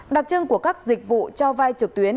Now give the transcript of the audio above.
đặc trưng của các dịch vụ cho vai trực tuyến